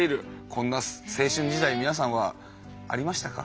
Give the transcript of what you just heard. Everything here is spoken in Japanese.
こんな青春時代皆さんはありましたか？